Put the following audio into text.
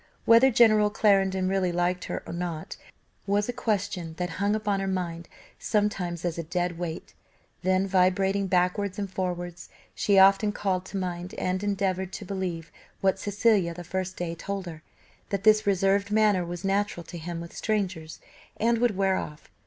Whether General Clarendon really liked her or not, was a question that hung upon her mind sometimes as a dead weight then vibrating backwards and forwards, she often called to mind, and endeavoured to believe, what Cecilia the first day told her, that this reserved manner was natural to him with strangers, and would wear off.